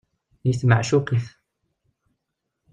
I tmeɛcuq-it.